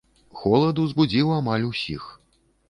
Холад узбудзіў амаль усіх.